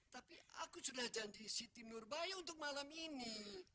tapi aku sudah janji siti nurbayu untuk malam ini